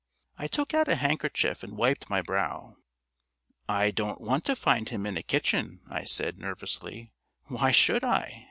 I took out a handkerchief and wiped my brow. "I don't want to find him in a kitchen," I said nervously. "Why should I?